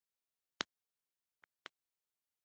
الله تعالى فرمايي